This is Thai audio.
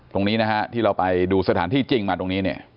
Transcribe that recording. ตรงนี้นะฮะที่เราไปดูสถานที่จริงมาตรงนี้เนี่ย